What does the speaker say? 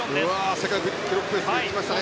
世界記録ペースで行きましたね。